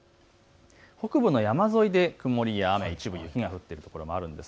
北部の山沿いで雲りや雨、一部、雪が降っています。